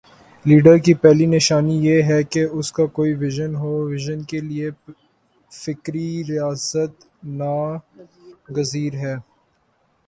Leader کی پہلی نشانی یہ ہے کہ اس کا کوئی وژن ہو وژن کے لیے فکری ریاضت ناگزیر ہے۔